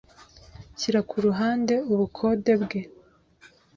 Shyira ku ruhande ubukode bwe